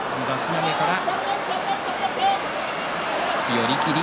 寄り切り。